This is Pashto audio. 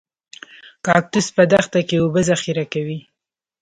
کاکتوس په دښته کې اوبه ذخیره کوي